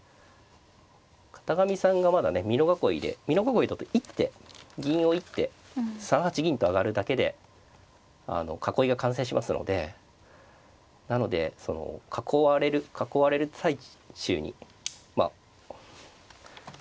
片上さんがまだね美濃囲いで美濃囲いだと一手銀を一手３八銀と上がるだけで囲いが完成しますのでなので囲われる最中にまあ攻められるということで。